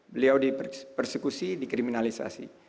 beliau dipersekusi dikriminalisasi